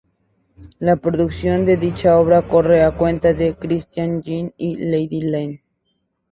La producción de dicha obra corre a cuenta de Christian Jean y Lady Lane.